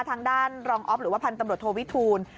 ทางด้านโรงอ๊อฟหรือว่าพันธบโดโทวิทูล